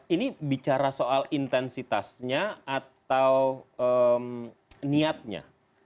ini bicara soal intensitasnya atau niatnya